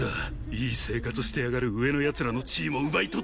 いい生活してやがる上の奴らの地位も奪い取ってやる。